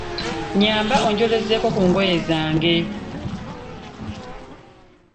Nyamba enjolezeeko ku ngoye zange